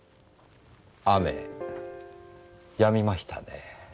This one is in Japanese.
雨やみましたね。